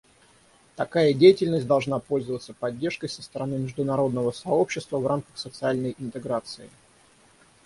Такая деятельность должна пользоваться поддержкой со стороны международного сообщества в рамках социальной интеграции.